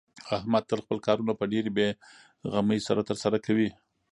احمد تل خپل کارونه په ډېرې بې غمۍ سره ترسره کوي.